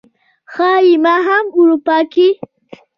ښايي ما هم اروپا کې